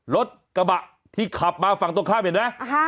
รถกระบะที่ขับมาฝั่งตรงข้ามเห็นไหม